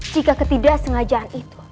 jika ketidaksengajaan itu